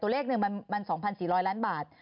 เลขหนึ่งมัน๒๔๐๐ล้านบาท